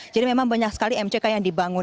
jadi memang banyak sekali mck yang dibangun